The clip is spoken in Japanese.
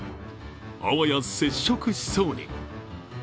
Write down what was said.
あわや接触しそうに。